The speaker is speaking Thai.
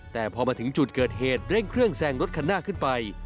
แต่พอมาถึงจุดเกิดเหตุเร่งเครื่องแซงรถคันหน้าขึ้นไป